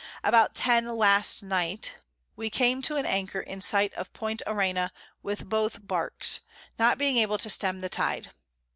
About 10 last Night we came to an Anchor in sight of Point Arena with both Barks, not being able to stem the Tide.